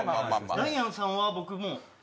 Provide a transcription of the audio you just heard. ダイアンさんは僕。